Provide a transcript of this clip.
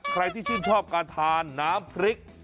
ใครที่ชื่นชอบการทานน้ำพริก